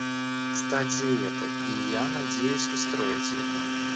Кстати и это, и я надеюсь устроить это.